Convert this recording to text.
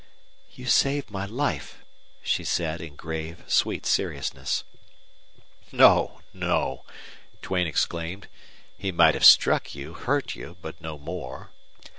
"You saved my life," she said, in grave, sweet seriousness. "No, no!" Duane exclaimed. "He might have struck you, hurt you, but no more."